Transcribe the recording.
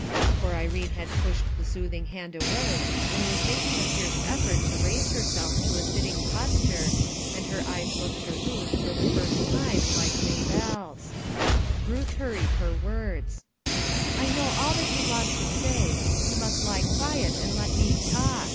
yoi i For Irene had pushed the soothing hand and was making a fierce effort to raise wf f to a sitting posture, and her eyes looked to IW for the first time like Maybelle's. Ruth hurried her words. "I know all that you want to say; you mus| lie quiet and let me talk.